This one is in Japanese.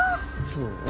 そう？